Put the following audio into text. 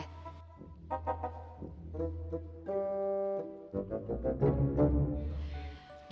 yuk thanks ya